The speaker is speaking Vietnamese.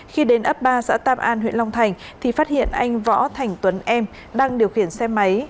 khi đến ấp ba xã tam an huyện long thành thì phát hiện anh võ thành tuấn em đang điều khiển xe máy